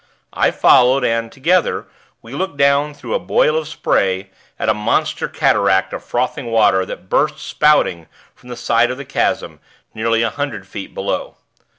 I followed, and, together, we looked down through a boil of spray at a monster cataract of frothing water that burst, spouting, from the side of the chasm, nearly a hundred feet below.